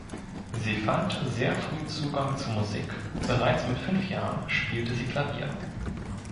Sie fand sehr früh Zugang zur Musik: Bereits mit fünf Jahren spielte sie Klavier.